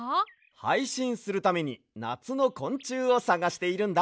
はいしんするためになつのこんちゅうをさがしているんだ。